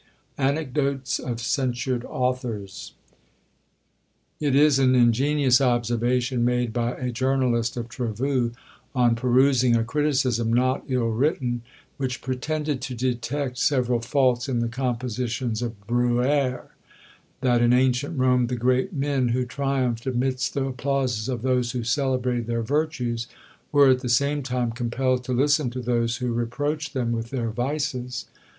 ANECDOTES OF CENSURED AUTHORS. It is an ingenious observation made by a journalist of Trevoux, on perusing a criticism not ill written, which pretended to detect several faults in the compositions of Bruyère, that in ancient Rome the great men who triumphed amidst the applauses of those who celebrated their virtues, were at the same time compelled to listen to those who reproached them with their vices.